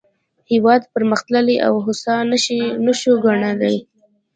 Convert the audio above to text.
هېواد پرمختللی او هوسا نه شو ګڼلای.